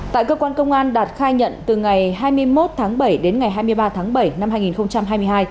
tại cơ quan công an đạt khai nhận từ ngày hai mươi một tháng bảy đến ngày hai mươi ba tháng bảy năm hai nghìn hai mươi hai